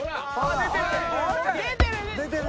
出てる！